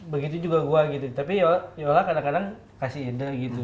begitu juga gua gitu tapi yola kadang kadang kasih ide gitu